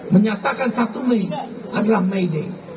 menyatakan satu mei adalah may day